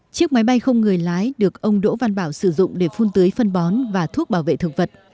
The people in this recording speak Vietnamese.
chiếc máy bay không người lái được ông đỗ văn bảo sử dụng để phun tưới phân bón và thuốc bảo vệ thực vật